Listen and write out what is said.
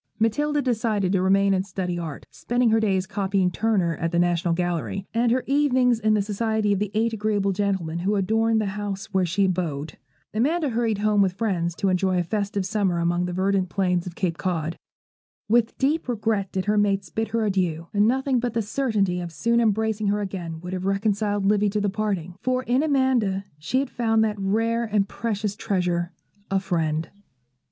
Matilda decided to remain and study art, spending her days copying Turner at the National Gallery, and her evenings in the society of the eight agreeable gentlemen who adorned the house where she abode. Amanda hurried home with friends to enjoy a festive summer among the verdant plains of Cape Cod. With deep regret did her mates bid her adieu, and nothing but the certainty of soon embracing her again would have reconciled Livy to the parting; for in Amanda she had found that rare and precious treasure, a friend.